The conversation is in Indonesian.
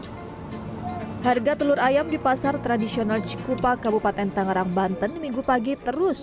hai harga telur ayam di pasar tradisional cikupa kabupaten tangerang banten minggu pagi terus